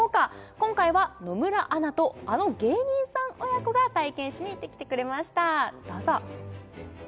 今回は野村アナとあの芸人さん親子が体験しに行ってきてくれましたどうぞ！